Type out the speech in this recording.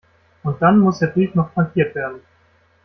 Und dann muss der Brief noch frankiert werden.